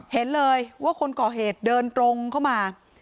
เห็นเลยว่าคนก่อเหตุเดินตรงเข้ามา